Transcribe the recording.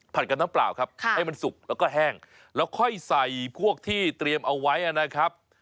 กับน้ำเปล่าครับให้มันสุกแล้วก็แห้งแล้วค่อยใส่พวกที่เตรียมเอาไว้นะครับ